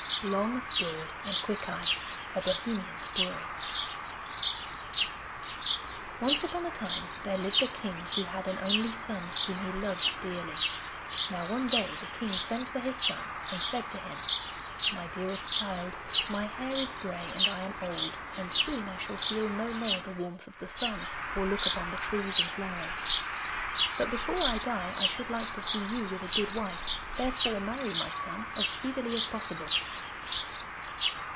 ] Long, Broad, and Quickeye (A Bohemian Story) Once upon a time there lived a king who had an only son whom he loved dearly. Now one day the king sent for his son and said to him: 'My dearest child, my hair is grey and I am old, and soon I shall feel no more the warmth of the sun, or look upon the trees and flowers. But before I die I should like to see you with a good wife; therefore marry, my son, as speedily as possible.